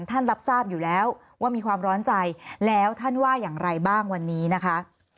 รับทราบอยู่แล้วว่ามีความร้อนใจแล้วท่านว่าอย่างไรบ้างวันนี้นะคะ